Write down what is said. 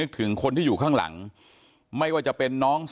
แม้นายเชิงชายผู้ตายบอกกับเราว่าเหตุการณ์ในครั้งนั้น